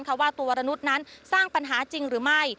ว่าตัววรนุษย์นั้นสร้างปัญหาจริงหรือไม่